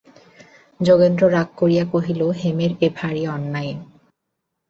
যোগেন্দ্র রাগ করিয়া কহিল, হেমের এ ভারি অন্যায়।